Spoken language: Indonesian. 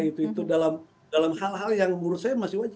itu dalam hal hal yang menurut saya masih wajar